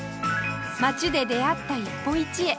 街で出会った一歩一会